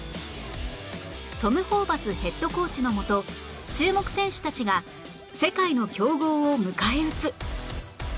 トム・ホーバスヘッドコーチのもと注目選手たちが世界の強豪を迎え撃つ